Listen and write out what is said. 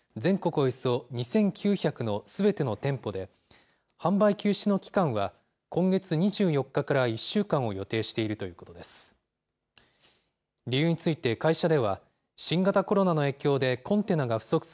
およそ２９００のすべての店舗で、販売休止の期間は、今月２４日から１週間を予定しているということです。